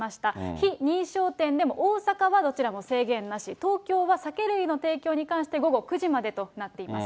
非認証店でも大阪はどちらも制限なし、東京は酒類の提供に関して、午後９時までとなっています。